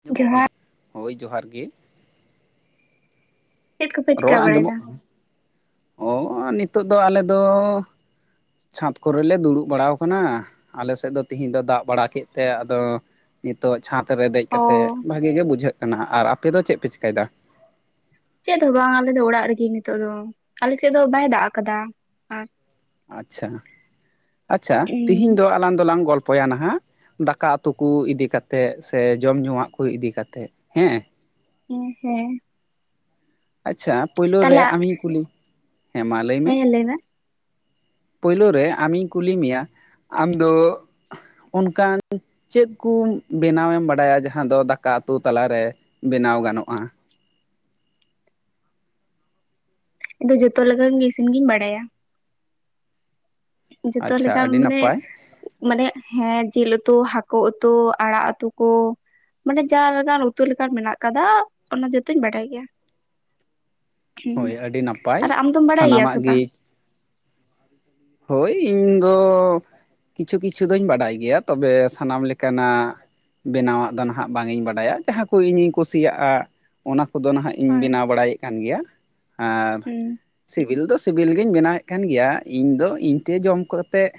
ᱟᱸᱡᱚᱢᱚᱜ ᱠᱟᱱᱟ? ᱡᱚᱦᱟᱨ ᱦᱳᱭ ᱡᱚᱦᱟᱨ ᱜᱤ ᱾ ᱪᱮᱫ ᱠᱚᱯᱮ ᱪᱤᱠᱟᱹ ᱵᱟᱲᱟᱭ ᱫᱟ? ᱚᱻ ᱱᱤᱛᱳᱜ ᱫᱚ ᱟᱞᱮ ᱫᱚ ᱪᱷᱟᱸᱫᱽ ᱠᱚᱨᱮ ᱞᱮ ᱫᱩᱲᱩᱵ ᱵᱟᱲᱟᱣ ᱠᱟᱱᱟ ᱾ ᱟᱞᱮ ᱥᱮᱫ ᱫᱚ ᱛᱤᱦᱤᱧ ᱫᱚ ᱫᱟᱜ ᱵᱟᱲᱟ ᱠᱮᱫ ᱛᱮ ᱟᱫᱚ ᱼᱼ ᱱᱤᱛᱚᱜ ᱪᱷᱟᱸᱫᱽ ᱨᱮ ᱫᱮᱡ ᱚ ᱠᱟᱛᱮ ᱵᱷᱟᱜᱤ ᱜᱮ ᱵᱩᱡᱷᱟᱹᱜ ᱠᱟᱱᱟ ᱾ ᱟᱨ ᱟᱯᱮ ᱫᱚ ᱪᱮᱫ ᱯᱮ ᱪᱤᱠᱟᱹᱭ ᱫᱟ? ᱪᱮᱫ ᱦᱚᱸ ᱵᱟᱝ, ᱟᱞᱮ ᱫᱚ ᱚᱲᱟᱜ ᱨᱮᱜᱮ ᱱᱤᱛᱚᱜ ᱫᱚ ᱾ ᱟᱞᱮ ᱥᱮᱫ ᱫᱚ ᱵᱟᱭ ᱫᱟᱜ ᱠᱟᱫᱟ, ᱟᱨ ᱼᱼ ᱟᱪᱪᱷᱟ, ᱟᱪᱪᱷᱟ ᱛᱤᱦᱤᱧ ᱦᱮᱸ ᱫᱚ ᱟᱞᱟᱝ ᱫᱚ ᱞᱟᱝ ᱜᱚᱞᱯᱚᱭᱟ ᱱᱟᱦᱟᱜ ᱼᱼ ᱫᱟᱠᱟ ᱩᱛᱩ ᱠᱚ ᱤᱫᱤ ᱠᱟᱛᱮᱜ ᱥᱮ ᱡᱚᱢ ᱧᱩᱣᱟᱜ ᱠᱚ ᱤᱫᱤ ᱠᱟᱛᱮᱜ ᱦᱮᱸ ᱾ ᱦᱮᱸ ᱦᱮᱸ ᱾ ᱟᱪᱪᱷᱟ ᱯᱳᱭᱞᱳ ᱨᱮ ᱛᱟᱦᱞᱮ ᱟᱢᱤᱧ ᱠᱩᱞᱤ, ᱦᱮᱸ ᱢᱟ ᱞᱟᱹᱭᱢᱮ ᱾ ᱦᱮᱸ ᱞᱟᱹᱭ ᱢᱮ ᱯᱳᱭᱞᱳ ᱨᱮ ᱟᱢᱤᱧ ᱠᱩᱞᱤ ᱢᱮᱭᱟ, ᱟᱢ ᱫᱚ ᱚᱱᱠᱟᱱ ᱼᱼ ᱪᱮᱫ ᱠᱚ ᱵᱮᱱᱟᱣ ᱮᱢ ᱵᱟᱰᱟᱭᱟ ᱡᱟᱦᱟᱸ ᱫᱚ ᱫᱟᱠᱟ ᱩᱛᱩ ᱛᱟᱞᱟᱨᱮ ᱵᱮᱱᱟᱣ ᱜᱟᱱᱚᱜᱼᱟ? ᱤᱧ ᱫᱚ ᱡᱚᱛᱚ ᱞᱮᱠᱟᱱ ᱜᱮ ᱤᱥᱤᱱ ᱜᱤᱧ ᱵᱟᱰᱟᱭᱟ ᱾ ᱡᱚᱛᱚ ᱟᱪᱪᱷᱟ ᱞᱮᱠᱟᱱ ᱟᱹᱰᱤ ᱢᱟᱱᱮ ᱱᱟᱯᱟᱭ ᱼᱼ ᱢᱟᱱᱮ ᱦᱮᱸ ᱡᱤᱞ ᱩᱛᱩ, ᱦᱟᱹᱠᱳ ᱩᱛᱩ, ᱟᱲᱟᱜ ᱩᱛᱩ ᱠᱚ ᱼᱼ ᱢᱟᱱᱮ ᱡᱟ [unintelligible] ᱩᱛᱩ ᱞᱮᱠᱟᱱ ᱢᱮᱱᱟᱜ ᱠᱟᱫᱟ ᱾ ᱚᱱᱟ ᱡᱚᱛᱚᱧ ᱵᱟᱰᱟᱭ ᱜᱮᱭᱟ ᱾ ᱦᱳᱭ ᱟᱹᱰᱤ ᱱᱟᱯᱟᱭ, ᱜᱮᱭᱟ ᱥᱟᱱᱟᱢᱟᱜ ᱥᱮ ᱜᱤᱼᱼ ᱵᱟᱝ ᱦᱳᱭ ᱤᱧ ᱫᱚᱻ ᱠᱤᱪᱷᱩ ᱠᱤᱪᱷᱩ ᱫᱚᱧ ᱵᱟᱰᱟᱭ ᱜᱮᱭᱟ ᱾ ᱛᱚᱵᱮ ᱥᱟᱱᱟᱢ ᱞᱮᱠᱟᱱᱟᱜ ᱼᱼ ᱵᱮᱱᱟᱣᱟᱜ ᱫᱚ ᱱᱟᱦᱟᱜ ᱵᱟᱝ ᱤᱧ ᱵᱟᱰᱟᱭᱟ ᱾ ᱡᱟᱦᱟᱸ ᱠᱚ ᱤᱧᱤᱧ ᱠᱩᱥᱤᱭᱟᱜᱼᱟ ᱚᱱᱟ ᱠᱚᱫᱚ ᱱᱟᱦᱟᱜ ᱼᱼ ᱤᱧ ᱦᱳᱭ ᱵᱮᱱᱟᱣ ᱵᱟᱲᱟᱭᱮᱫ ᱠᱟᱱ ᱜᱮᱭᱟ ᱟᱨ ᱦᱩᱸ ᱥᱤᱵᱤᱞ ᱫᱚ ᱥᱤᱵ- ᱵᱤᱞ ᱜᱤᱧ ᱵᱮᱱᱟᱣᱮᱫ ᱠᱟᱱ ᱜᱮᱭᱟ ᱤᱧ ᱫᱚ ᱤᱧᱛᱮ ᱡᱚᱢ ᱠᱚᱛᱮᱜ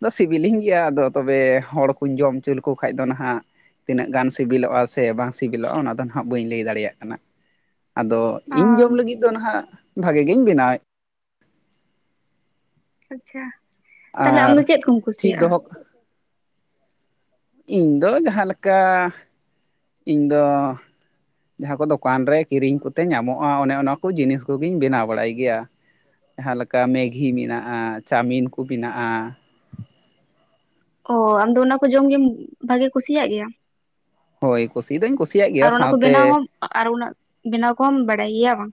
ᱫᱚ ᱥᱤᱵᱤᱞᱤᱧ ᱜᱮᱭᱟ ᱟᱫᱚ ᱛᱚᱵᱮ ᱦᱚᱲ ᱠᱩᱸᱧ ᱡᱚᱢ ᱦᱚᱪᱚ ᱞᱮᱠᱚ ᱠᱷᱟᱡ ᱫᱚ ᱱᱷᱟᱜ ᱛᱤᱱᱟᱹᱜ ᱜᱟᱱ ᱥᱤᱵᱤᱞᱚᱜᱼᱟ ᱥᱮ ᱵᱟᱝ ᱥᱤᱵᱤᱞᱚᱜᱼᱟ, ᱚᱱᱟ ᱫᱚ ᱱᱟᱦᱟᱜ ᱵᱟᱹᱧ ᱞᱟᱹᱭ ᱫᱟᱲᱮᱭᱟᱜ ᱠᱟᱱᱟ? ᱟᱫᱚ! ᱚ ᱤᱧ ᱡᱚᱢ ᱞᱟᱹᱜᱤᱫ ᱫᱚ ᱱᱟᱦᱟᱜ ᱵᱷᱟᱜᱮ ᱜᱤᱧ ᱵᱮᱱᱟᱣᱮᱫ᱾ ᱟᱪᱪᱷᱟ! ᱛᱟᱦᱚᱞᱮ ᱟᱢ ᱫᱚ ᱟᱨ ᱪᱮᱫ ᱠᱚᱢ ᱪᱮᱫ ᱠᱩᱥᱤᱭᱟᱜᱼᱟ? ᱫᱚᱦᱚ ᱤᱧᱫᱚ ᱡᱟᱦᱟᱸᱞᱮᱠᱟᱻᱤᱧᱫᱚ ᱡᱟᱦᱟᱸ ᱠᱚ ᱫᱚᱠᱟᱱ ᱨᱮ ᱠᱤᱨᱤᱧ ᱠᱚᱛᱮ ᱧᱟᱢᱚᱜᱼᱟ ᱚᱱᱮ ᱚᱱᱟ ᱠᱚ ᱡᱤᱱᱤᱥ ᱠᱚᱜᱤᱧ ᱵᱮᱱᱟᱣ ᱵᱟᱲᱟᱭ ᱜᱮᱭᱟ᱾ ᱡᱟᱦᱟᱸᱞᱮᱠᱟ ᱢᱮᱜᱷᱤ ᱢᱮᱱᱟᱜᱼᱟ, ᱪᱟᱢᱤᱱ ᱠᱚ ᱵᱮᱱᱟᱜᱼᱟ, ᱚ ᱚᱢᱫᱚ ᱚᱱᱟ ᱠᱚ ᱡᱚᱢ ᱜᱮᱢ ᱵᱷᱟᱜᱤ ᱠᱩᱥᱤᱭᱟᱜ ᱜᱮᱭᱟᱢ? ᱦᱳᱭ! ᱠᱩᱥᱤ ᱫᱚᱧ ᱠᱩᱥᱤᱭᱟᱜ ᱜᱮᱭᱟ ᱟᱨ ᱚᱱᱟ ᱠᱚ ᱥᱟᱶᱛᱮ [unintelligible] ᱟᱨ ᱩᱱᱟᱹᱜ ᱵᱮᱱᱟᱣ ᱠᱚᱦᱚᱢ ᱵᱟᱰᱟᱭ ᱜᱮᱭᱟ ᱵᱟᱝ?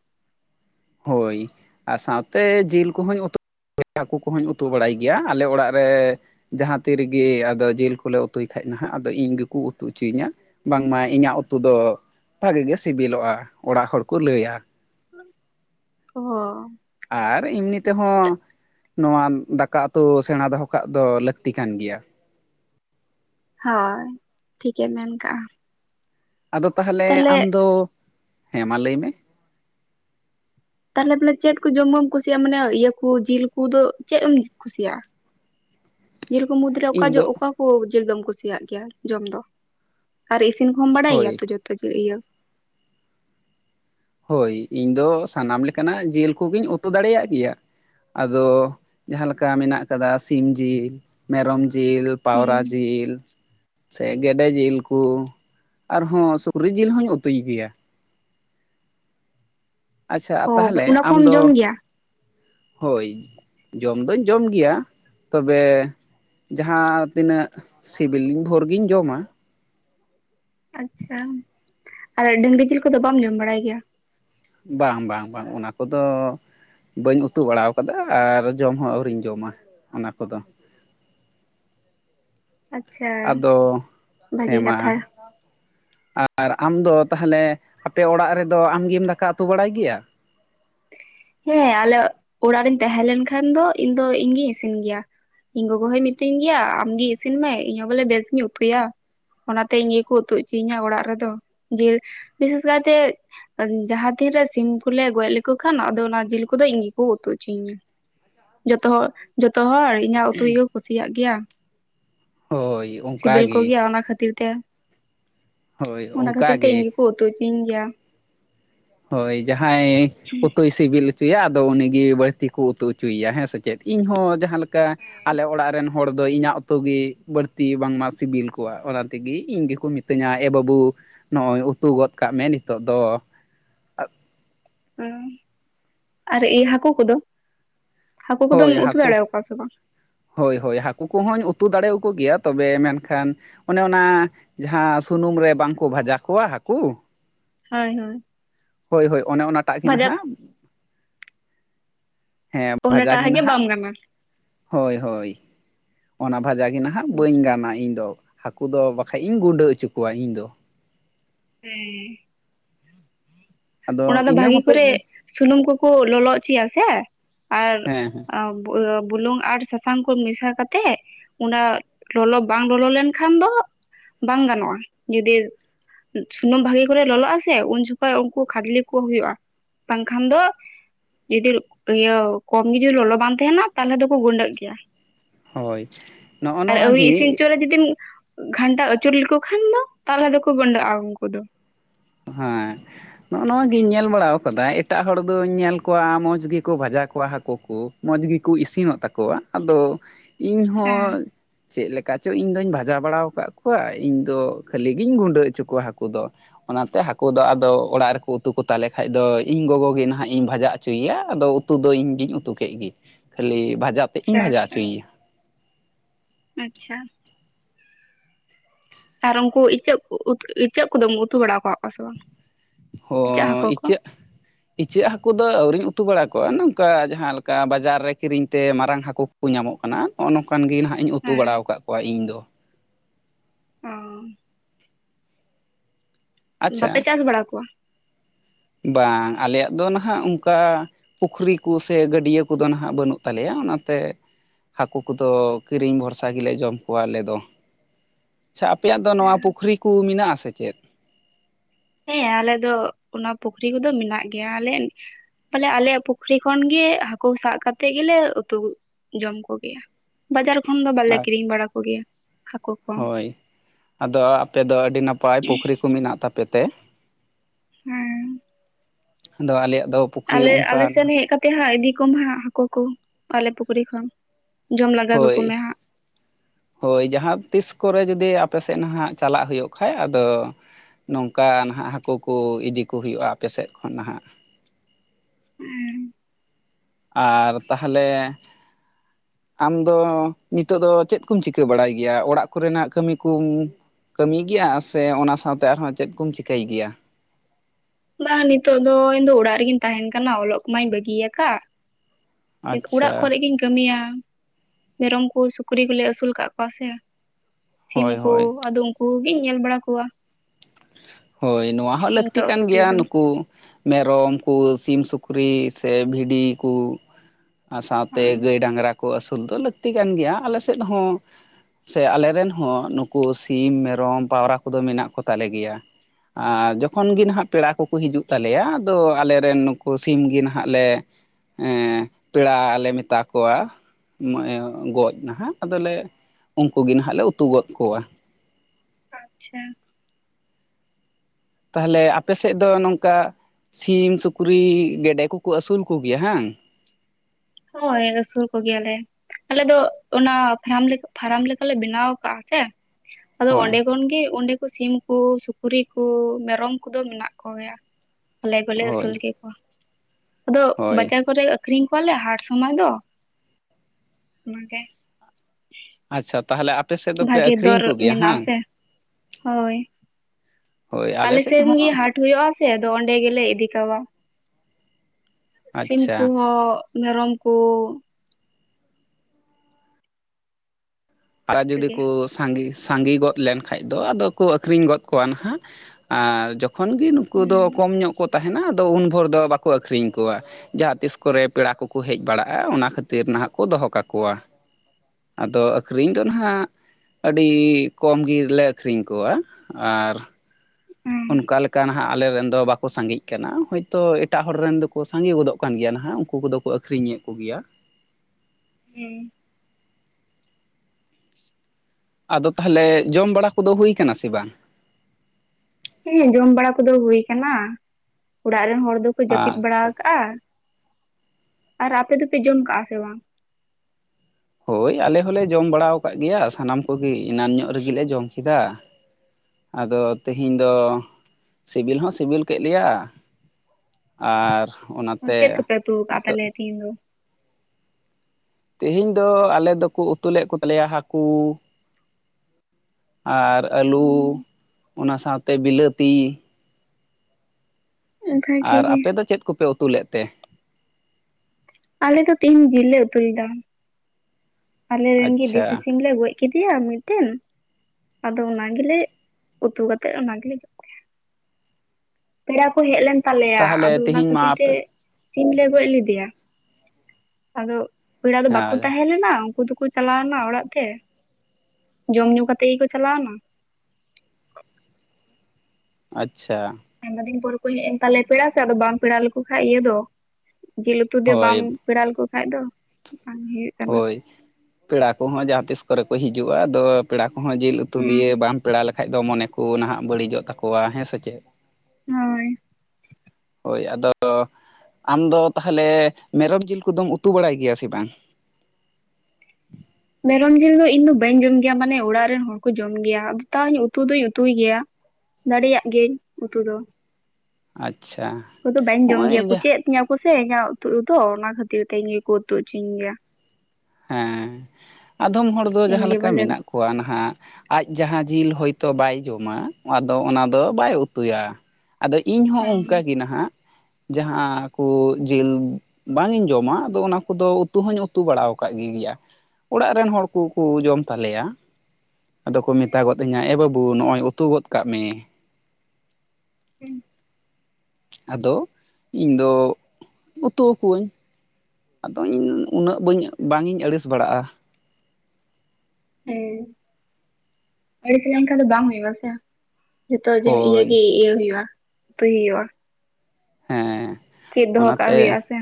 ᱦᱳᱭ ᱟᱨ ᱥᱟᱶᱛᱮ ᱡᱤᱞ ᱠᱚᱦᱩᱧ ᱩᱛᱩ- [unintelligible] ᱦᱟᱹᱠᱩ ᱠᱚᱦᱚᱸᱧ ᱩᱛᱩ ᱵᱟᱲᱟᱭ ᱜᱮᱭᱟ, ᱟᱞᱮ ᱚᱲᱟᱜ ᱨᱮ ᱡᱟᱦᱟᱸ ᱛᱤ ᱨᱮᱜᱮ ᱟᱫᱚ ᱡᱤᱞ ᱠᱚᱞᱮ ᱩᱛᱩᱭ ᱠᱷᱟᱡ ᱱᱟᱦᱟᱜ ᱟᱫᱚ ᱤᱧ ᱜᱮᱠᱚ ᱩᱛᱩ ᱚᱪᱚᱭᱤᱧᱟ, ᱵᱟᱝ ᱢᱟ ᱤᱧᱟᱹᱜ ᱩᱛᱩ ᱫᱚ ᱵᱷᱟᱜᱤ ᱜᱮ ᱥᱤᱵᱤᱞᱚᱜᱼᱟ, ᱚᱲᱟᱜ ᱦᱚᱲ ᱠᱚ ᱞᱟᱹᱭᱟ, ᱚᱦᱚ! ᱟᱨ ᱤᱢᱱᱤ ᱛᱮᱦᱚᱸ ᱱᱚᱣᱟ ᱫᱟᱠᱟ ᱩᱛᱩ ᱥᱮᱬᱟ ᱫᱚᱦᱚ ᱠᱟᱜ ᱫᱚ ᱞᱟᱹᱠᱛᱤ ᱠᱟᱱ ᱜᱮᱭᱟ᱾ ᱦᱳᱭ! ᱴᱷᱤᱠᱮᱢ ᱢᱮᱱ ᱠᱟᱜᱼᱟ᱾ ᱟᱫᱚ ᱛᱟᱦᱮᱞᱮ ᱛᱟᱦᱞᱮ ᱟᱢ ᱫᱚ, ᱦᱮᱸ ᱢᱟ ᱞᱟᱹᱭ ᱢᱮ? ᱛᱟᱦᱮᱞᱮ ᱵᱚᱞᱮ ᱪᱮᱫ ᱠᱚ ᱡᱚᱢ ᱵᱟᱢ ᱠᱩᱥᱤᱭᱟᱜᱼᱟ, ᱢᱟᱱᱮ ᱤᱭᱟᱹᱠᱩ ᱡᱤᱞ ᱠᱩ ᱫᱚ ᱪᱮᱫ ᱮᱢ ᱠᱩᱥᱤᱭᱟᱜᱼᱟ? ᱡᱮᱞ ᱠᱚ ᱢᱩᱫᱽᱨᱮ ᱚᱠᱟ ᱤᱧ ᱡᱚ ᱫᱚ ᱚᱠᱟ ᱠᱚ ᱡᱤᱞ ᱫᱚᱢ ᱠᱩᱥᱤᱭᱟᱜ ᱜᱮᱭᱟ ᱡᱚᱢ ᱫᱚ? ᱟᱨ ᱤᱥᱤᱱ ᱠᱚᱦᱚᱸᱢ ᱵᱟᱲᱟᱭ ᱜᱮᱭᱟ ᱦᱳᱭ ᱛᱚ ᱡᱚᱛᱚ ᱡᱤ ᱤᱭᱟᱹ? ᱦᱳᱭ ᱤᱧ ᱫᱚ ᱥᱟᱱᱟᱢ ᱞᱮᱠᱟᱱᱟᱜ ᱡᱤᱞ ᱠᱚᱜᱤᱧ ᱩᱛᱩ ᱫᱟᱲᱮᱭᱟᱜ ᱜᱮᱭᱟ᱾ ᱟᱫᱚ ᱡᱟᱦᱟᱸᱞᱮᱠᱟ ᱢᱮᱱᱟᱜ ᱟᱠᱟᱫᱟ ᱥᱤᱢ ᱡᱤᱞ, ᱢᱮᱨᱚᱝ ᱡᱤᱞ ᱯᱟᱣᱨᱟ ᱦᱩᱸ ᱡᱤᱞ, ᱥᱮ ᱜᱮᱰᱮ ᱡᱤᱞ ᱠᱩ, ᱟᱨᱦᱚᱸ ᱥᱩᱠᱨᱤ ᱡᱤᱞ ᱦᱚᱧ ᱩᱛᱩᱭ ᱜᱮᱭᱟ᱾ ᱟᱪᱪᱷᱟ! ᱟ ᱚ ᱛᱟᱦᱮᱞᱮ ᱚᱱᱟ ᱟᱢ ᱠᱚᱦᱚᱢ ᱫᱚ ᱡᱚᱢ ᱜᱮᱭᱟ? ᱦᱳᱭ ᱡᱚᱢ ᱫᱩᱧ ᱡᱚᱢ ᱜᱮᱭᱟ, ᱛᱚᱵᱮ ᱡᱟᱦᱟᱸ ᱛᱤᱱᱟᱹᱜ ᱥᱤᱵᱤᱞᱤᱧ ᱵᱷᱩᱨ ᱜᱤᱧ ᱡᱚᱢᱟ, ᱟᱪᱪᱷᱟ! ᱟᱨᱟᱜ ᱰᱟᱺᱜᱽᱨᱤ ᱡᱤᱞ ᱠᱚᱫᱚ ᱵᱟᱢ ᱡᱚᱢ ᱵᱟᱲᱟᱭ ᱜᱮᱭᱟ? ᱵᱟᱝ ᱵᱟᱝ ᱵᱟᱝ ᱚᱱᱟ ᱠᱚᱫᱚ ᱵᱟᱹᱧ ᱩᱛᱩ ᱵᱟᱲᱟᱣᱟᱠᱟᱫᱟ ᱟᱨ ᱡᱚᱢ ᱦᱚᱸ ᱟᱹᱣᱨᱤᱧ ᱡᱚᱢᱟ, ᱚᱱᱟ ᱠᱚᱫᱚ᱾ ᱟᱪᱪᱷᱟ ᱟᱫᱚ, ᱵᱷᱟᱜᱮ ᱦᱮᱸ ᱢᱟ ᱠᱟᱛᱷᱟ ᱟᱫ- ᱟᱨ ᱟᱢᱫᱚ ᱛᱟᱦᱮᱞᱮ ᱟᱯᱮ ᱚᱲᱟᱜ ᱨᱮᱫᱚ ᱟᱢᱜᱮᱢ ᱫᱟᱠᱟ ᱩᱛᱩ ᱵᱟᱲᱟᱭ ᱜᱮᱭᱟ? ᱦᱮᱸ ᱟᱞᱮᱜ ᱚᱲᱟᱜ ᱨᱤᱧ ᱛᱟᱦᱮᱸ ᱞᱮᱱᱠᱷᱟᱱ ᱫᱚ ᱤᱧ ᱫᱚ ᱤᱧ ᱜᱤᱧ ᱤᱥᱤᱱ ᱜᱮᱭᱟ᱾ ᱤᱧ ᱜᱚᱜᱚ ᱦᱚᱭ ᱢᱤᱛᱟᱹᱧ ᱜᱮᱭᱟ ᱟᱢᱜᱮ ᱤᱥᱤᱱ ᱢᱮ, ᱤᱧ ᱦᱚᱸ ᱵᱚᱞᱮ ᱵᱮᱥ ᱤᱧ ᱩᱛᱩᱭᱟ? ᱚᱱᱟᱛᱮ ᱤᱧ ᱜᱮᱠᱚ ᱩᱛᱩ ᱚᱪᱚᱸᱧᱟ ᱚᱲᱟᱜ ᱨᱮᱫᱚ, ᱡᱤᱞ ᱵᱤᱥᱮᱥ ᱠᱟᱛᱮᱫ ᱟᱸᱫ ᱡᱟᱦᱟᱸ ᱛᱤᱱ ᱨᱮ ᱥᱤᱢ ᱠᱚ ᱞᱮ ᱜᱚᱡ ᱞᱮᱠᱚ ᱠᱷᱟᱱ ᱟᱫᱚ ᱚᱱᱟ ᱡᱤᱞ ᱠᱚᱫᱚ ᱤᱧ ᱜᱮᱠᱚ ᱩᱛᱩ ᱚᱪᱚᱸᱧᱟ᱾ ᱡᱚᱛᱚ ᱦᱚ, ᱡᱚᱛᱚ ᱦᱚᱲ ᱤᱧᱟᱹᱜ ᱩᱛᱩ ᱜᱮᱠᱚ ᱠᱩᱥᱤᱭᱟᱜ ᱜᱮᱭᱟ᱾ ᱦᱳᱭᱚᱜ, ᱥᱤᱵᱤᱞ ᱠᱚᱜᱮᱭᱟ ᱚᱱᱟ ᱠᱷᱟᱹᱛᱤᱨ ᱛᱮ ᱦᱳᱭ ᱚᱱᱟ ᱠᱷᱟᱹᱛᱤᱨ ᱛᱮ ᱤᱧ ᱚᱱᱠᱟᱜᱮ ᱜᱮᱠᱚ ᱩᱛᱩ ᱚᱪᱚᱧ ᱜᱮᱭᱟ᱾ ᱦᱳᱭ! ᱡᱟᱦᱟᱸᱭ ᱩᱛᱩᱭ ᱥᱤᱵᱤᱞ ᱪᱚᱭᱟ ᱟᱫᱚ ᱩᱱᱤᱜᱮ ᱵᱟᱹᱲᱛᱤ ᱠᱚ ᱩᱛᱩ ᱚᱪᱚᱭᱮᱭᱟ, ᱦᱮᱸ ᱥᱮ ᱪᱮᱫ? ᱤᱧᱦᱚᱸ ᱡᱟᱦᱟᱸ ᱞᱮᱠᱟ ᱟᱞᱮ ᱚᱲᱟᱜ ᱨᱮᱱ ᱦᱚᱲ ᱫᱚ ᱤᱧᱟᱹᱜ ᱩᱛᱩ ᱜᱮ ᱵᱟᱹᱲᱛᱤ ᱵᱟᱝ ᱢᱟ ᱥᱤᱵᱤᱞ ᱠᱚᱣᱟ, ᱚᱱᱟ ᱛᱮᱜᱤ ᱤᱧ ᱜᱮᱠᱚ ᱢᱤᱛᱟᱹᱧᱟ ᱮᱻᱵᱟᱹᱵᱩ ᱱᱚᱜᱼᱚᱭ ᱩᱛᱩ ᱜᱚᱫ ᱠᱟᱜ ᱢᱮ ᱱᱤᱛᱚᱜ ᱫᱚ᱾ ᱟᱫ- ᱦᱩᱸ ᱟᱨ ᱤᱭᱟᱹ ᱦᱟᱠᱩ ᱠᱚᱫᱚ? ᱦᱟᱹᱠᱩ ᱠᱚᱫᱚᱢ ᱦᱳᱭ ᱩᱛᱩ ᱦᱟᱠᱩ ᱼᱼ ᱫᱟᱲᱮᱭᱟᱠᱚᱣᱟ ᱥᱮ ᱵᱟᱝ ᱦᱳᱭ ᱦᱳᱭ ᱦᱟᱹᱠᱩ ᱠᱚᱦᱚᱸᱧ ᱩᱛᱩ ᱫᱟᱲᱮᱣ ᱟᱠᱚ ᱜᱮᱭᱟ ᱛᱚᱵᱮ ᱢᱮᱱᱠᱷᱟᱱᱼᱼ ᱚᱱᱮ ᱚᱱᱟ ᱡᱟᱦᱟᱸ ᱥᱩᱱᱩᱢ ᱨᱮ ᱵᱟᱝᱠᱚ ᱵᱷᱟᱡᱟ ᱠᱚᱣᱟ ᱦᱟᱹᱠᱩᱼᱼ ᱦᱳᱭ ᱦᱳᱭ ᱾ ᱦᱳᱭ ᱦᱳᱭ ᱚᱱᱮ ᱚᱱᱟᱴᱟᱜ ᱜᱮ ᱱᱟᱦᱟᱜᱼᱼ ᱦᱮᱸ ᱵᱷᱟᱡᱟ ᱚᱱᱟᱴᱟᱜ ᱜᱮ ᱱᱟᱦᱟᱜᱼᱼ ᱵᱟᱢ ᱜᱟᱱᱟ ᱦᱳᱭ ᱦᱳᱭ, ᱚᱱᱟ ᱵᱷᱟᱡᱟ ᱜᱮ ᱱᱟᱦᱟᱜ ᱵᱟᱹᱧ ᱟᱪᱪᱷᱟ ᱜᱟᱱᱟ ᱤᱧ ᱫᱚ᱾ ᱦᱟᱹᱠᱩ ᱫᱚ ᱵᱟᱠᱷᱟᱡ ᱤᱧ ᱜᱩᱸᱰᱟᱹ ᱚᱪᱚ ᱠᱚᱣᱟ ᱤᱧ ᱫᱚ᱾ ᱦᱮᱸ᱾ ᱟᱫᱚ ᱚᱱᱟ ᱫᱚ ᱤᱱᱟᱹ ᱵᱷᱟᱹᱜᱤ ᱢᱚᱛᱚᱡ ᱠᱚᱨᱮ ᱜᱮ ᱥᱩᱱᱩᱢ ᱠᱚᱠᱚ ᱞᱚᱞᱚ ᱚᱪᱚᱭᱟ ᱥᱮ ᱟᱨᱼᱼ ᱦᱮᱸ ᱵᱩᱞᱩᱝ ᱟᱨ ᱥᱟᱥᱟᱝ ᱠᱚ ᱢᱮᱥᱟ ᱠᱟᱛᱮᱜᱼᱼ ᱚᱱᱟ ᱞᱚᱞᱚ ᱵᱟᱝ ᱞᱚᱞᱚ ᱞᱮᱱᱠᱷᱟᱱ ᱫᱚ ᱵᱟᱝ ᱜᱟᱱᱚᱜᱼᱟ ᱾ ᱡᱩᱫᱤᱼᱼ ᱥᱩᱱᱩᱢ ᱵᱷᱟᱹᱜᱤ ᱠᱚᱨᱮ ᱞᱚᱞᱚᱜᱼᱟ ᱥᱮ ᱩᱱ ᱡᱚᱠᱷᱚᱡᱼᱼ ᱩᱱᱠᱩ ᱠᱷᱟᱫᱽᱞᱮ ᱠᱚ ᱦᱩᱭᱩᱜᱼᱟ, ᱵᱟᱝ ᱠᱷᱟᱱ ᱫᱚᱼᱼ ᱡᱩᱫᱤ ᱤᱭᱟᱹ ᱠᱚᱢ ᱜᱮ ᱡᱩᱫᱤ ᱞᱚᱞᱚ ᱵᱟᱝ ᱛᱟᱦᱮᱱᱟ, ᱛᱟᱦᱚᱞᱮ ᱫᱚ ᱠᱚ ᱜᱩᱸᱰᱟᱹᱜ ᱜᱮᱭᱟ᱾ ᱦᱚᱭ ᱱᱚᱜᱼᱚ‌ ᱱᱚᱣᱟ ᱜᱤᱼᱼ [unintelligible] ᱫᱤᱱ ᱜᱷᱟᱱᱴᱟ ᱟᱹᱪᱩᱨ ᱞᱮ ᱠᱚ ᱠᱷᱟᱱ ᱫᱚ ᱛᱟᱦᱚᱞᱮ ᱫᱚ ᱠᱚ ᱜᱩᱰᱟᱹᱜᱼᱟ ᱩᱱᱠᱩ ᱫᱚ᱾ ᱦᱮᱸ᱾ ᱱᱚᱜᱼᱚ ᱱᱚᱣᱟ ᱜᱤᱧ ᱧᱮᱞ ᱵᱟᱲᱟᱣ ᱠᱟᱫᱟ ᱮᱴᱟᱜ ᱦᱚᱲ ᱫᱚᱧ ᱧᱮᱞ ᱠᱚᱣᱟ ᱢᱚᱡᱽ ᱜᱮᱠᱚ ᱵᱷᱟᱡᱟ ᱠᱚᱣᱟ ᱦᱟᱹᱠᱩ ᱠᱩ᱾ ᱢᱚᱡᱽ ᱜᱮᱠᱚ ᱤᱥᱤᱱᱚᱜ ᱛᱟᱠᱚᱣᱟ ᱟᱫᱚ ᱤᱧ ᱦᱚᱸᱼᱼ ᱦᱮᱸ ᱪᱮᱫ ᱞᱮᱠᱟ ᱪᱚ ᱤᱧ ᱫᱩᱧ ᱵᱷᱟᱡᱟ ᱵᱟᱲᱟᱣ ᱟᱠᱟᱜ ᱠᱚᱣᱟ ᱤᱧ ᱫᱚ ᱠᱷᱟᱹᱞᱤ ᱜᱤᱧ ᱜᱩᱸᱰᱟᱹ ᱚᱪᱚ ᱠᱚᱣᱟ ᱦᱟᱹᱠᱩ ᱫᱚ᱾ ᱚᱱᱟ ᱛᱮ ᱦᱟᱹᱠᱩ ᱫᱚ ᱟᱫᱚ ᱚᱲᱟᱜ ᱨᱮ ᱠᱚ ᱩᱛᱩ ᱠᱚ ᱛᱟᱞᱮ ᱠᱷᱟᱱ ᱫᱚ ᱤᱧ ᱜᱚᱜᱚ ᱜᱮ ᱱᱟᱦᱟᱜ ᱤᱧ ᱵᱷᱟᱡᱟ ᱚᱪᱚ ᱮᱭᱟ ᱟᱫᱚᱼᱼ ᱩᱛᱩ ᱫᱚ ᱤᱧ ᱜᱤᱧ ᱩᱛᱩ ᱠᱮᱫ ᱜᱮ ᱠᱷᱟᱹᱞᱤ ᱵᱷᱟᱡᱟ ᱛᱮᱫ ᱤᱧ ᱟᱪᱪᱷᱟ ᱵᱷᱟᱡᱟ ᱟᱪᱪᱷᱟ ᱚᱪᱚ ᱮᱭᱟ᱾ ᱟᱪᱪᱷᱟ᱾ ᱟᱨ ᱩᱱᱠᱩ ᱤᱪᱟᱹᱜ ᱠᱩ ᱤᱪᱟᱹᱜ ᱠᱩᱫᱩᱢ ᱩᱛᱩ ᱵᱟᱲᱟ ᱟᱠᱟᱫ ᱠᱚᱣᱟ ᱥᱮ ᱵᱟᱝ? ᱤᱪᱟᱹᱜ ᱦᱚᱸ ᱦᱟᱹᱠᱳ ᱠᱚ ᱤᱪᱟᱹᱜᱼᱼ ᱤᱪᱟᱹᱜ ᱦᱟᱹᱠᱩ ᱫᱚ ᱟᱹᱣᱨᱤᱧ ᱩᱛᱩ ᱵᱟᱲᱟ ᱠᱚᱣᱟ, ᱱᱚᱝᱠᱟ ᱡᱟᱦᱟᱸ ᱞᱮᱠᱟ ᱵᱟᱡᱟᱨ ᱨᱮ ᱠᱤᱨᱤᱧ ᱛᱮ ᱢᱟᱨᱟᱝ ᱦᱟᱹᱠᱩᱼᱼ ᱠᱚ ᱧᱟᱢᱚᱜ ᱠᱟᱱᱟ ᱱᱚᱜᱼᱚ ᱱᱚᱝᱠᱟᱱ ᱜᱮ ᱱᱟᱦᱟᱜ ᱤᱧ ᱩᱛᱩ ᱵᱟᱲᱟ ᱦᱮᱸ ᱟᱠᱟᱜ ᱠᱚᱣᱟ ᱤᱧ ᱫᱚ᱾ ᱚᱻ ᱟᱪᱪᱷᱟ ᱵᱟᱯᱮ ᱪᱟᱥ ᱵᱟᱲᱟ ᱠᱚᱣᱟ? ᱵᱟᱝ ᱟᱞᱮᱭᱟᱜ ᱫᱚ ᱱᱟᱦᱟᱜ ᱚᱱᱠᱟ ᱯᱩᱠᱷᱨᱤ ᱠᱚ ᱥᱮ ᱜᱟᱹᱰᱤᱭᱟᱹ ᱠᱚ ᱫᱚ ᱱᱟᱦᱟᱜ ᱵᱟᱹᱱᱩᱜ ᱛᱟᱞᱮᱭᱟ, ᱚᱱᱟ ᱛᱮ ᱦᱟᱹᱠᱩ ᱠᱚ ᱫᱚ ᱠᱤᱨᱤᱧ ᱵᱷᱚᱨᱥᱟ ᱜᱮᱞᱮ ᱡᱚᱢ ᱠᱚᱣᱟ ᱟᱞᱮ ᱫᱚ᱾ ᱟᱪᱪᱷᱟ, ᱟᱯᱮᱭᱟᱜ ᱫᱚ ᱱᱚᱣᱟ ᱯᱩᱠᱷᱨᱤ ᱠᱚ ᱢᱮᱱᱟᱜᱼᱟ ᱥᱮ ᱪᱮᱫ? ᱦᱮᱸ ᱟᱞᱮ ᱫᱚ ᱚᱱᱟ ᱯᱩᱠᱷᱨᱤ ᱠᱚ ᱫᱚ ᱢᱮᱱᱟᱜ ᱜᱮᱭᱟ, ᱟᱞᱮ ᱵᱚᱞᱮ ᱟᱞᱮᱭᱟᱜ ᱯᱩᱠᱷᱨᱤ ᱠᱷᱚᱱ ᱜᱮ ᱦᱟᱹᱠᱩ ᱥᱟᱵ ᱠᱟᱛᱮᱜ ᱜᱮ ᱞᱮ ᱩᱛᱩ ᱡᱚᱢ ᱠᱚ ᱜᱮᱭᱟ᱾ ᱵᱟᱡᱟᱨ ᱠᱷᱚᱱ ᱫᱚ ᱵᱟᱞᱮ ᱟᱨ ᱠᱤᱨᱤᱧ ᱵᱟᱲᱟ ᱠᱚ ᱜᱮᱭᱟ ᱦᱟᱹᱠᱳ ᱠᱚ᱾ ᱦᱳᱭ ᱟᱫᱚ ᱟᱯᱮ ᱫᱚ ᱟᱹᱰᱤ ᱱᱟᱯᱟᱭ ᱯᱩᱠᱷᱨᱤ ᱠᱚ ᱢᱮᱱᱟᱜ ᱛᱟᱯᱮ ᱛᱮ᱾ ᱦᱩᱸ᱾ ᱟᱫᱚ ᱟᱞᱮᱭᱟᱜ ᱫᱚᱼᱼ ᱟᱞᱮ ᱟᱞᱮ ᱥᱮᱱ ᱦᱮᱡ ᱠᱟᱛᱮᱼᱼ ᱛᱮ ᱦᱟᱸᱜ ᱤᱫᱤ ᱠᱚᱢ ᱦᱟᱸᱜ ᱦᱟᱹᱠᱩ ᱠᱚ, ᱟᱞᱮ ᱯᱩᱠᱷᱨᱤ ᱠᱷᱚᱱ, ᱡᱚᱢ ᱞᱟᱜᱟ ᱠᱟᱠᱚ ᱦᱳᱭ ᱢᱮ ᱦᱟᱸᱜ᱾ ᱦᱳᱭ, ᱡᱟᱦᱟᱸ ᱛᱤᱥ ᱠᱚ ᱨᱮ ᱡᱩᱫᱤ ᱟᱯᱮ ᱥᱮᱫ ᱱᱟᱦᱟᱜ ᱪᱟᱞᱟᱜ ᱦᱩᱭᱩᱜ ᱠᱷᱟᱡ ᱟᱫᱚᱼᱼ ᱱᱚᱝᱠᱟ ᱱᱟᱦᱟᱜ ᱦᱟᱹᱠᱳ ᱠᱚ ᱤᱫᱤ ᱠᱚ ᱦᱩᱭᱩᱜᱼᱟ ᱟᱯᱮ ᱥᱮᱫ ᱠᱷᱚᱱ ᱱᱟᱦᱟᱜ᱾ ᱟᱨ ᱛᱟᱦᱚᱞᱮᱼᱼ ᱟᱢ ᱫᱚ ᱱᱤᱛᱚᱜ ᱫᱚ ᱪᱮᱫ ᱠᱚᱢ ᱪᱤᱠᱟᱹ ᱵᱟᱲᱟᱭ ᱜᱮᱭᱟ ᱚᱲᱟᱜ ᱠᱚᱨᱮ ᱱᱟᱜ ᱠᱟᱹᱢᱤ ᱠᱩ? ᱠᱟᱹᱢᱤ ᱜᱮᱭᱟ ᱥᱮ ᱚᱱᱟ ᱥᱟᱶᱛᱮ ᱟᱨᱦᱚᱸ ᱪᱮᱫ ᱠᱚᱢ ᱪᱤᱠᱟᱹᱭ ᱜᱮᱭᱟ? ᱵᱟᱝ ᱱᱤᱛᱚᱜ ᱫᱚ ᱤᱧ ᱫᱚ ᱚᱲᱟᱜ ᱨᱮᱜᱤᱧ ᱛᱟᱦᱮᱱ ᱠᱟᱱᱟ, ᱚᱞᱚᱜ ᱠᱚᱢᱟᱹᱧ ᱵᱟᱹᱜᱤ ᱟᱠᱟᱜ᱾ ᱟᱪᱪᱷᱟ ᱚᱲᱟᱜ ᱠᱚᱨᱮ ᱜᱤᱧ ᱠᱟᱹᱢᱤᱭᱟ, ᱢᱮᱨᱚᱢ ᱠᱚ ᱥᱩᱠᱨᱤ ᱠᱚ ᱞᱮ ᱟᱹᱥᱩᱞ ᱠᱟᱜ ᱠᱚᱣᱟ ᱥᱮ᱾ ᱥᱤᱢ ᱦᱳᱭ ᱠᱩ ᱦᱳᱭ ᱟᱫᱚ ᱩᱱᱠᱩ ᱠᱩ ᱜᱤᱧ ᱧᱮᱞ ᱵᱟᱲᱟ ᱠᱚᱣᱟ᱾ ᱦᱚᱭ ᱱᱚᱣᱟ ᱦᱚᱸ ᱞᱟᱹᱠᱛᱤ ᱱᱤᱛᱚᱜ ᱠᱟᱱ ᱜᱮᱭᱟ ᱛᱮᱫᱚ ᱱᱩᱠᱩ ᱢᱮᱨᱚᱢ ᱠᱚ ᱥᱤᱢ ᱥᱩᱠᱨᱤ ᱥᱮ ᱵᱷᱤᱰᱤ ᱠᱩ ᱟᱨ ᱥᱟᱶᱛᱮ ᱜᱟᱹᱭ ᱰᱟᱝᱨᱟ ᱠᱚ ᱟᱹᱥᱩᱞ ᱫᱚ ᱞᱟᱹᱠᱛᱤ ᱠᱟᱱ ᱜᱮᱭᱟ ᱟᱞᱮ ᱥᱮᱫ ᱦᱚᱸ ᱥᱮ ᱟᱞᱮ ᱨᱮᱱ ᱦᱚᱸ ᱱᱩᱠᱩ ᱥᱤᱢ ᱢᱮᱨᱚᱢ ᱯᱟᱣᱨᱟ ᱠᱚ ᱫᱚ ᱢᱮᱱᱟᱜ ᱠᱚ ᱛᱟᱞᱮ ᱜᱮᱭᱟ᱾ [inaudible] ᱟᱻ ᱡᱚᱠᱷᱚᱱ ᱜᱮ ᱱᱟᱦᱟᱜ ᱯᱮᱲᱟ ᱠᱚ ᱠᱚ ᱦᱤᱡᱩᱜ ᱛᱟᱞᱮᱭᱟ ᱟᱫᱚ ᱟᱞᱮ ᱨᱮᱱ ᱱᱩᱠᱩ ᱥᱤᱢ ᱜᱮ ᱱᱟᱦᱟᱜ ᱞᱮ ᱦᱮᱸ ᱯᱮᱲᱟ ᱞᱮ ᱢᱮᱛᱟ ᱠᱚᱣᱟ᱾ ᱜᱚᱡ ᱱᱟᱦᱟᱜ ᱟᱫᱚ ᱞᱮ ᱩᱱᱠᱩ ᱜᱮ ᱱᱟᱦᱟᱜ ᱞᱮ ᱩᱛᱩ ᱜᱚᱫ ᱠᱚᱣᱟ᱾ ᱟᱪᱪᱷᱟ᱾ ᱛᱟᱦᱚᱞᱮ ᱟᱯᱮ ᱥᱮᱫ ᱫᱚ ᱱᱚᱝᱠᱟ ᱥᱤᱢ ᱥᱩᱠᱨᱤ ᱜᱮᱰᱮ ᱠᱚ ᱠᱚ ᱟᱹᱥᱩᱞ ᱠᱚ ᱜᱮᱭᱟ ᱦᱟᱝ? ᱦᱚᱭ ᱟᱹᱥᱩᱞ ᱠᱚ ᱜᱮᱭᱟ ᱞᱮ᱾ ᱟᱞᱮ ᱫᱚ ᱚᱱᱟ ᱯᱷᱟᱨᱟᱢ ᱞᱮᱠᱟ ᱯᱷᱟᱨᱟᱢ ᱞᱮᱠᱟ ᱞᱮ ᱵᱮᱱᱟᱣ ᱟᱠᱟᱜᱼᱟ ᱥᱮ᱾ ᱟᱫᱚ ᱦᱳᱭ ᱚᱸᱰᱮ ᱠᱷᱚᱱ ᱜᱮ ᱚᱸᱰᱮ ᱠᱚ ᱥᱤᱢ ᱠᱚ ᱥᱩᱠᱨᱤ ᱠᱚ ᱢᱮᱨᱚᱢ ᱠᱚ ᱫᱚ ᱢᱮᱱᱟᱜ ᱠᱚ ᱜᱮᱭᱟ᱾ ᱟᱞᱮ ᱜᱮ ᱞᱮ ᱦᱳᱭ ᱟᱹᱥᱩᱞ ᱠᱮ ᱠᱚᱣᱟ ᱟᱫᱚ ᱦᱳᱭ ᱵᱟᱡᱟᱨ ᱠᱚ ᱨᱮ ᱟᱹᱠᱷᱨᱤᱧ ᱠᱚᱣᱟ ᱞᱮ ᱦᱟᱴ ᱥᱚᱢᱚᱭ ᱫᱚ ᱚᱱᱟ ᱜᱮ᱾ ᱟᱪᱷᱟ ᱛᱟᱦᱞᱮ ᱟᱯᱮ ᱥᱮᱫ ᱫᱚ ᱯᱮ ᱵᱷᱟᱜᱮ ᱟᱹᱠᱷᱨᱤᱧ ᱫᱚᱨ ᱠᱚ ᱜᱮᱭᱟ ᱢᱮᱱᱟᱜ ᱵᱟᱝ? ᱟᱥᱮ ᱦᱳᱭ ᱟᱞᱮ ᱥᱮᱱ ᱜᱮ ᱦᱟᱴ ᱦᱩᱭᱩᱜ-ᱟ᱾ ᱥᱮ ᱟᱫᱚ ᱚᱱᱰᱮ ᱜᱮ ᱞᱮ ᱤᱫᱤ ᱠᱚᱣᱟ᱾ ᱥᱤᱢ ᱟᱪᱪᱷᱟ ᱠᱩ ᱦᱚᱸ ᱢᱮᱨᱚᱢ ᱠᱚ᱾ ᱟᱨ ᱡᱩᱫᱤ ᱚᱱᱠᱟᱜᱮ ᱠᱚ ᱥᱟᱸᱜᱤ ᱥᱟᱸᱜᱤ ᱜᱚᱫ ᱞᱮᱱ ᱠᱷᱟᱱᱡ ᱫᱚ ᱟᱫᱚ ᱠᱚ ᱟᱹᱠᱷᱨᱤᱧ ᱜᱚᱫ ᱠᱚᱣᱟ ᱱᱟᱦᱟᱜ ᱟᱨ ᱡᱚ ᱠᱷᱚᱱ ᱛᱚ ᱠᱷᱚᱱ ᱜᱮ ᱱᱩᱠᱩ ᱫᱚ ᱦᱩᱸ ᱠᱚᱢ ᱧᱚᱜ ᱠᱚ ᱛᱟᱦᱮ ᱱᱟ ᱟᱫᱚ ᱩᱱ ᱵᱷᱳᱨ ᱫᱚ ᱵᱟᱠᱚ ᱟᱹᱠᱷᱨᱤᱧ ᱠᱚᱣᱟ᱾ ᱡᱟᱦᱟᱸ ᱛᱤᱥ ᱠᱚ ᱨᱮ ᱯᱮᱲᱟ ᱠᱚ ᱠᱚ ᱦᱮᱡ ᱵᱟᱲᱟᱜ-ᱟ ᱚᱱᱟ ᱠᱷᱟᱹᱛᱤᱨ ᱱᱟᱦᱟᱜ ᱠᱚ ᱫᱚ ᱦᱚ ᱠᱟ ᱠᱚᱣᱟ᱾ ᱟᱫᱚ ᱟᱹᱠᱷᱨᱤᱧ ᱫᱚ ᱱᱟᱦᱟᱜ ᱟᱹᱰᱤ ᱠᱚᱢ ᱜᱮ ᱞᱮ ᱟᱹᱠᱷᱨᱤᱧ ᱠᱚᱣᱟ ᱟᱨ ᱦᱩᱸ ᱚᱱᱠᱟ ᱞᱮᱠᱟ ᱱᱟᱦᱟᱜ ᱟᱞᱮ ᱨᱮᱱ ᱫᱚ ᱵᱟ ᱠᱚ ᱥᱟᱸᱜᱮᱜ ᱠᱟᱱᱟ ᱦᱚᱳᱭ ᱛᱳ ᱮᱴᱟᱜ ᱦᱚᱲ ᱨᱮᱱ ᱫᱚ ᱠᱚ ᱥᱟᱸᱜᱮ ᱜᱚᱫᱚᱜ ᱠᱟᱱ ᱜᱮᱭᱟ ᱱᱟᱦᱟᱜ ᱩᱱᱠᱩ ᱠᱚ ᱫᱚ ᱠᱚ ᱟᱹᱠᱷᱨᱤᱧ ᱮᱫ ᱠᱚ ᱜᱮᱭᱟ᱾ ᱦᱮᱸ᱾ ᱟᱫᱚ ᱛᱟᱦᱚ ᱞᱮ ᱡᱚᱢ ᱵᱟᱲᱟ ᱠᱚ ᱫᱚ ᱦᱩᱭ ᱠᱟᱱᱟ ᱥᱮ ᱵᱟᱝ? ᱦᱮᱸ ᱡᱚᱢ ᱵᱟᱲᱟ ᱠᱚ ᱫᱚ ᱦᱩᱭ ᱟᱠᱟᱱᱟ ᱚᱲᱟᱜ ᱨᱮᱱ ᱦᱚᱲ ᱫᱚ ᱠᱚ ᱡᱟᱹᱯᱤᱫ ᱵᱟᱲᱟ ᱟᱪᱪᱷᱟ ᱟᱠᱟᱜ-ᱟ᱾ ᱟᱨ ᱟᱯᱮ ᱫᱚ ᱯᱮ ᱡᱚᱢ ᱠᱟᱜ-ᱟ ᱥᱮ ᱵᱟᱝ? ᱦᱳᱭ ᱟᱞᱮ ᱦᱚᱸ ᱞᱮ ᱡᱚᱢ ᱵᱟᱲᱟ ᱟᱠᱜ ᱜᱮᱭᱟ ᱥᱟᱱᱟᱢ ᱠᱚᱜᱮ ᱮᱱᱟᱱ ᱧᱚᱜ ᱨᱮᱜᱮᱞᱮ ᱡᱚᱢ ᱠᱮᱫᱟ᱾ ᱟᱫᱚ ᱛᱮᱦᱤᱧ ᱫᱚ ᱥᱤᱵᱤᱞ ᱦᱚᱸ ᱥᱤᱵᱤᱞ ᱠᱮᱫ ᱞᱮᱭᱟ᱾ ᱟᱨ ᱚᱱᱟ ᱛᱮ ᱱᱤᱛᱳᱜ ᱛᱮᱦᱤᱧ ᱫᱚ? ᱛᱮᱦᱮᱧ ᱫᱚ ᱟᱞᱮ ᱫᱚ ᱠᱩ ᱩᱛᱩ ᱞᱮᱫ ᱠᱩ ᱛᱟᱞᱮᱭᱟ ᱦᱟᱹᱠᱩ᱾ ᱟᱨ ᱟᱹᱞᱩ ᱚᱱᱟ ᱥᱟᱶᱛᱮ ᱵᱤᱞᱟᱹᱛᱤ᱾ ᱵᱷᱟᱜᱮ ᱟᱨ ᱜᱮ ᱟᱯᱮ ᱫᱚ ᱪᱮᱫ ᱠᱚ ᱯᱮ ᱩᱛᱩ ᱞᱮᱫ ᱛᱮ? ᱟᱞᱮ ᱫᱚ ᱛᱮᱦᱤᱧ ᱡᱤᱞ ᱞᱮ ᱩᱛᱩᱭ ᱮᱫᱟ᱾ ᱟᱞᱮ ᱨᱮᱱ ᱜᱮ ᱟᱪᱪᱷᱟ ᱫᱮᱥᱤ ᱥᱤᱢ ᱞᱮ ᱜᱚᱡ ᱠᱮᱫᱮ ᱭᱟ ᱢᱤᱫ ᱴᱮᱱ ᱟᱫᱚ ᱚᱱᱟ ᱜᱮ ᱞᱮ ᱩᱛᱩ ᱠᱟᱛᱮᱜ ᱚᱱᱟ ᱜᱮ ᱞᱮ ᱡᱚᱢ ᱠᱮᱫᱟ᱾ ᱯᱮᱲᱟ ᱠᱚ ᱦᱮᱡ ᱞᱮᱱ ᱛᱟᱞᱮ ᱭᱟ ᱛᱟᱦᱚᱞᱮ ᱟᱫᱚ ᱚᱱᱟ ᱛᱮᱦᱮᱧ ᱢᱟ ᱠᱷᱟᱹᱛᱤᱨ ᱛᱮ ᱟᱯᱮ ᱥᱤᱢ ᱞᱮ ᱜᱚᱡ ᱞᱮᱫᱮ ᱭᱟ ᱟᱫᱚ ᱯᱮᱲᱟ ᱫᱚ ᱵᱟᱠᱚ ᱦᱮᱸ ᱛᱟᱦᱮᱸ ᱞᱮᱱᱟ [unintelligible] ᱫᱚ ᱠᱚ ᱪᱟᱞᱟᱣ ᱮᱱᱟ ᱚᱲᱟᱜ ᱛᱮ ᱡᱚᱢ ᱧᱩ ᱠᱟᱛᱮᱜ ᱜᱮ ᱠᱚ ᱪᱟᱞᱟ, ᱣ ᱮᱱᱟ᱾ ᱟᱪᱪᱷᱟ᱾ ᱟᱭᱢᱟ ᱫᱤᱱ ᱯᱚᱨ ᱠᱚ ᱦᱮᱢ ᱛᱟᱞᱮ ᱭᱟ ᱯᱮᱲᱟ ᱥᱮ ᱟᱫᱚ ᱵᱟᱢ ᱯᱮᱲᱟ ᱞᱮ ᱠᱚ ᱠᱷᱟᱱ ᱤᱭᱟᱹ ᱫᱚ ᱡᱤᱞ ᱩᱛᱩ ᱫᱚ ᱦᱳᱭ ᱵᱟᱢ ᱯᱮᱲᱟ ᱞᱮ ᱠᱚ ᱠᱷᱟᱡ ᱫᱚ ᱵᱟᱝ ᱦᱩᱭᱩᱜ ᱠᱟᱱᱟ ᱦᱳᱭ ᱯᱮᱲᱟ ᱠᱚ ᱦᱚᱸ ᱡᱟᱦᱟᱸ ᱛᱤᱥ ᱠᱚ ᱨᱮ ᱠᱚ ᱦᱤᱡᱩ-ᱜᱟ ᱟᱫᱚ ᱯᱮᱲᱟ ᱠᱚ ᱦᱚᱸ ᱡᱤᱞ ᱩᱛᱩ ᱦᱩᱸ ᱫᱤᱭᱮ ᱵᱟᱢ ᱯᱮᱲᱟ ᱞᱮᱠᱷᱟᱡ ᱫᱚ ᱢᱚᱱᱮ ᱠᱚ ᱱᱟᱦᱟᱜ ᱵᱟᱹᱲᱤ ᱡᱚᱜ ᱛᱟᱠᱚᱣᱟ ᱦᱮᱸ ᱥᱮ ᱪᱮᱫ? ᱦᱳᱭ᱾ ᱦᱳᱭ ᱟᱫᱚ ᱟᱢᱫᱚ ᱛᱟᱦᱚᱞᱮ ᱢᱮᱨᱚᱢ ᱡᱤᱞ ᱠᱚ ᱫᱚᱢ ᱩᱛᱩ ᱵᱟᱲᱟᱭ ᱜᱮᱭᱟ ᱥᱮ ᱵᱟᱝ? ᱢᱮᱨᱚᱢ ᱡᱤᱞ ᱫᱚ ᱤᱧ ᱫᱚ ᱵᱟᱹᱧ ᱡᱚᱢ ᱜᱮᱭᱟ ᱢᱟᱱᱮ ᱚᱲᱟᱜ ᱨᱮᱱ ᱦᱚᱲ ᱠᱚ ᱡᱚᱢ ᱜᱮᱭᱟ ᱟᱫᱚ ᱛᱟᱣᱦᱩᱧ ᱩᱛᱩ ᱫᱚᱧ ᱩᱛᱩᱭ ᱜᱮᱭᱟ᱾ ᱫᱟᱲᱮ ᱭᱟᱜ ᱜᱤᱭᱟᱹᱧ ᱩᱛᱩ ᱫᱚ᱾ ᱟᱪᱷᱟ᱾ ᱩᱛᱩ ᱫᱚ ᱵᱟᱹᱧ ᱡᱚᱢ ᱜᱮᱭᱟ ᱠᱩᱥᱤ ᱭᱟᱜ ᱛᱤᱧᱟᱹ ᱠᱚ ᱥᱮ ᱤᱧᱟᱹᱜ ᱩᱛᱩ ᱫᱚ ᱚᱱᱟ ᱠᱷᱟᱹᱛᱤᱨ ᱛᱮ ᱤᱧ ᱜᱮ ᱠᱚ ᱩᱛᱩ ᱦᱚᱪᱚᱧ ᱜᱮᱭᱟ᱾ ᱦᱮᱸ ᱟᱫᱚᱢ ᱦᱚᱲ ᱫᱚ ᱤᱧ ᱡᱟᱦᱟᱸ ᱜᱮ ᱞᱮᱠᱟ ᱵᱚᱞᱮ ᱦᱮᱸ ᱢᱮᱱᱟᱜ ᱠᱚᱣᱟ ᱱᱟᱦᱟᱜ᱾ ᱟᱡ ᱡᱟᱦᱟᱸ ᱡᱤᱞ ᱦᱚᱭ ᱛᱳ ᱵᱟᱭ ᱡᱚᱢᱟ ᱟᱫᱚ ᱚᱱᱟ ᱫᱚ ᱵᱟᱭ ᱩᱛᱩᱭᱟ᱾ ᱟᱫᱚ ᱤᱧ ᱦᱚᱸ ᱚᱱᱠᱟ ᱜᱮ ᱱᱟᱦᱟᱜ᱾ ᱡᱟᱦᱟᱸ ᱠᱚ ᱡᱤᱞ ᱵᱟᱝ ᱤᱧ ᱡᱚᱢᱟ ᱟᱫᱚ ᱚᱱᱟ ᱠᱫ ᱫᱚ ᱩᱛᱩ ᱦᱚᱧ ᱩᱛᱩ ᱵᱟᱲᱟᱣ ᱠᱟᱜ ᱜᱮ ᱜᱮᱭᱟ ᱚᱲᱟᱜ ᱨᱮᱱ ᱦᱚᱲ ᱠᱚ ᱠᱚ ᱡᱚᱢ ᱛᱟᱞᱮ ᱭᱟ᱾ ᱟᱫᱚ ᱠᱚ ᱢᱮᱛᱟ ᱜᱚᱫᱤᱧᱟᱹ ᱮ ᱵᱟᱹᱵᱩ ᱱᱚᱜ-ᱚᱭ ᱩᱛᱩ ᱜᱚᱫ ᱠᱟᱜ ᱢᱮ᱾ ᱦᱮᱸ᱾ ᱟᱫᱚ ᱤᱧ ᱫᱚ ᱩᱛᱩ ᱟᱠᱚᱣᱟᱹᱧ᱾ ᱟᱫᱚ ᱤᱧ ᱩᱱᱟᱹᱜ ᱵᱟᱹᱧ ᱵᱟᱝ ᱤᱧ ᱟᱹᱲᱤᱥ ᱵᱟᱲᱟᱜᱼᱟ᱾ ᱦᱮᱸ ᱟᱹᱲᱤᱥ ᱞᱮᱱᱠᱷᱟᱱ ᱫᱚ ᱵᱟᱝ ᱦᱩᱭᱩᱜᱼᱟ ᱥᱮ᱾ ᱡᱷᱚᱛᱚ ᱡᱤᱱ ᱤᱭᱟᱹ ᱦᱳᱭ ᱜᱮ ᱤᱭᱟᱹ ᱦᱩᱭᱩᱜᱼᱟ ᱩᱛᱩᱭ ᱦᱩᱭᱩᱜᱼᱟ᱾ ᱦᱮᱸ ᱪᱮᱫ ᱫᱚᱦᱚ ᱚᱱᱟ ᱠᱟᱜ ᱛᱮ ᱦᱩᱭᱩᱜᱼᱟ ᱥᱮ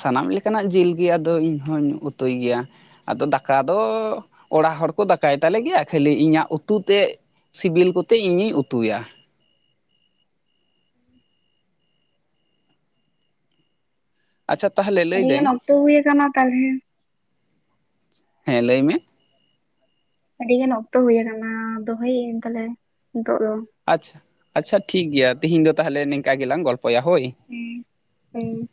ᱥᱟᱱᱟᱢ ᱞᱮᱠᱟᱱᱟᱜ ᱡᱤᱞ ᱜᱮ ᱟᱫᱚ ᱤᱧᱦᱚᱧ ᱩᱛᱩᱭ ᱜᱮᱭᱟ᱾ ᱟᱫᱚ ᱫᱟᱠᱟ ᱫᱚ ᱚᱲᱟᱜ ᱦᱚᱲ ᱠᱚ ᱫᱟᱠᱟᱭ ᱛᱟᱞᱮᱜ ᱜᱮᱭᱟ ᱠᱷᱟᱹᱞᱤ ᱤᱧᱟᱹᱜ ᱩᱛᱩ ᱛᱮᱜ ᱥᱤᱵᱤᱞ ᱠᱚᱛᱮ ᱤᱧᱤᱧ ᱩᱛᱩᱭᱟ᱾ ᱟᱪᱪᱷᱟ ᱛᱟᱦᱞᱮ ᱟᱹᱰᱤᱜᱟᱱ ᱚᱠᱛᱚ ᱦᱩᱭ ᱟᱠᱟᱱᱟ ᱛᱟᱦᱚᱞᱮ ᱦᱮᱸ ᱞᱟᱹᱭ ᱢᱮ᱾ ᱟᱹᱰᱤ ᱜᱟᱱ ᱚᱠᱛᱚ ᱦᱩᱭ ᱟᱠᱟᱱᱟ ᱫᱚᱦᱚᱭᱟᱹᱧ ᱛᱟᱦᱞᱮ ᱱᱤᱛᱚᱜ ᱫᱚ᱾ ᱟᱪᱪᱷᱟ ᱟᱪᱪᱷᱟ ᱴᱷᱤᱠ ᱜᱮᱭᱟ ᱛᱤᱦᱤᱧ ᱫᱚ ᱛᱟᱦᱚᱞᱮ ᱱᱮᱝᱠᱟ ᱜᱮᱞᱟᱝ ᱜᱚᱞᱯᱚᱭᱟ ᱦᱳᱭ᱾ ᱦᱮᱸ ᱦᱳᱭ᱾